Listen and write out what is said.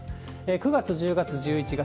９月、１０月、１１月。